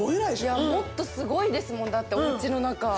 いやもっとすごいですもんだってお家の中。